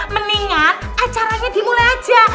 meningan acaranya dimulai aja